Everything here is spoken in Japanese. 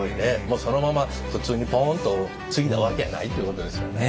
もうそのまま普通にポンと継いだわけやないってことですよね。